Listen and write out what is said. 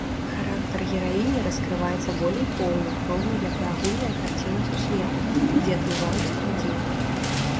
Характар гераіні раскрываецца болей поўна, роўна як і агульная карціна сусвету, дзе адбываюцца падзеі.